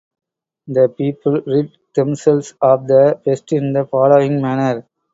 The people rid themselves of the pest in the following manner.